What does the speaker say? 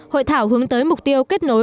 hội thảo hướng tới mục tiêu kết nối